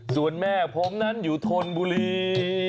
ส่วนแม่ผมนั้นอยู่ธนบุรี